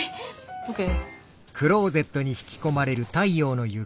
ＯＫ。